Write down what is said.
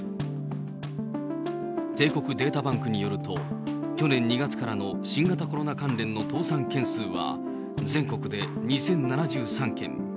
帝国データバンクによると、去年２月からの新型コロナ関連の倒産件数は、全国で２０７３件。